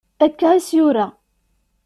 Akka is-yura.